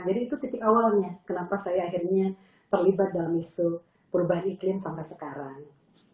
jadi itu titik awalnya kenapa saya akhirnya terlibat dalam isu perubahan iklim sampai sekarang